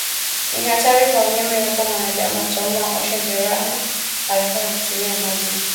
Ni hatari kwa wanyama Iwapo mwanadamu ataumwa osha jeraha haraka kwa kutumia maji